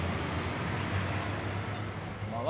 こんばんは。